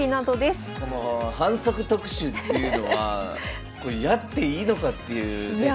この「反則特集」っていうのはこれやっていいのかっていうね。